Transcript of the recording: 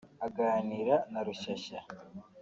Aganira na Rushyashya